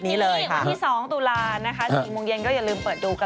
ก็อย่าลืมเปิดดูก็แล้วกัน